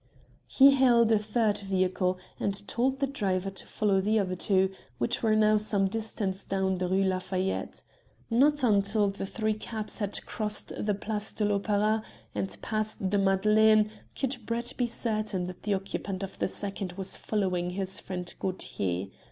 He hailed a third vehicle and told the driver to follow the other two, which were now some distance down the Rue Lafayette. Not until the three cabs had crossed the Place de l'Opera and passed the Madeleine could Brett be certain that the occupant of the second was following his friend Gaultier.